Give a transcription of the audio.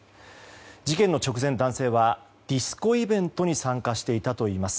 事件の直前、男性はディスコイベントに参加していたといいます。